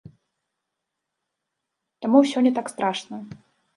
Таму ўсё не так страшна.